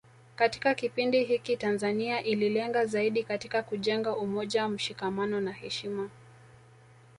Katika kipindi hiki Tanzania ililenga zaidi katika kujenga umoja mshikamano na heshima